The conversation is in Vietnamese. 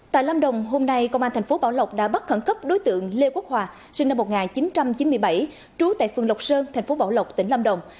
tại lâm đồng hôm nay công an thành phố bảo lộc đã bắt khẩn cấp đối tượng lê quốc hòa sinh năm một nghìn chín trăm chín mươi bảy trú tại phường lộc sơn thành phố bảo lộc tỉnh lâm đồng